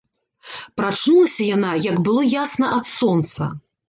Прачнулася яна, як было ясна ад сонца.